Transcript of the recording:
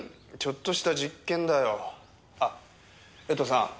あ江藤さん。